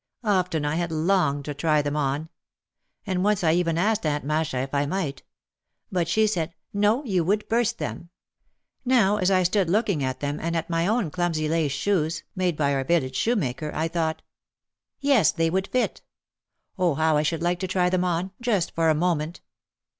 Often I had longed to try them on. And once I even asked Aunt Masha if I might. But she said, "No, you would burst them." Now as I stood looking at them and at my own clumsy lace shoes, made by our village shoemaker, I thought, "Yes, they would 38 OUT OF THE SHADOW fit. Oh, how I should like to try them on, just for a moment."